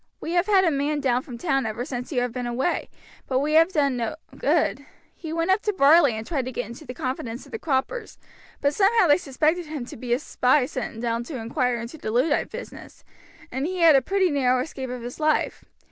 "We have had a man down from town ever since you have been away, but we have done no good. He went up to Varley and tried to get into the confidence of the croppers, but somehow they suspected him to be a spy sent down to inquire into the Luddite business, and he had a pretty narrow escape of his life.